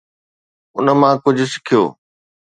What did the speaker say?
ان مان ڪجهه سکيو.